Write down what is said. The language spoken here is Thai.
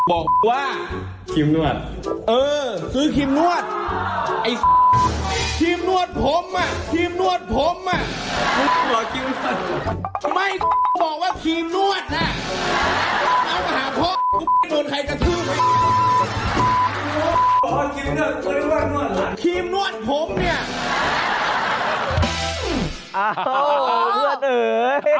โอ้โหเพื่อนเอ๋ย